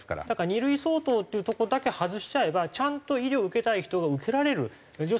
だから２類相当っていうとこだけ外しちゃえばちゃんと医療を受けたい人が受けられる。